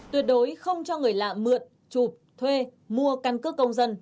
tuyệt đối không cho người lạ mượt chụp thuê mua căn cứ công dân